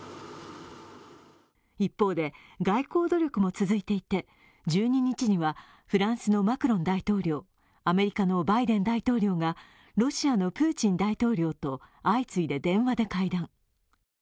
一方で外交努力も続いていて１２日にはフランスのマクロン大統領、アメリカのバイデン大統領がロシアのプーチン大統領と相次いで電話で会談。